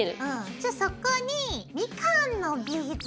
じゃそこにみかんのビーズ。